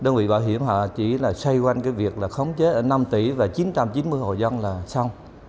đơn vị bảo hiểm họ chỉ là xây quanh cái việc là không chế năm tỷ và chín trăm chín mươi hộ dân là xong